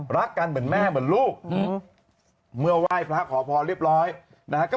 รักกันเหมือนแม่เหมือนลูกเมื่อไหว้พระขอพรเรียบร้อยนะฮะก็